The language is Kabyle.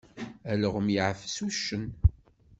Alɣem yeɛfes uccen.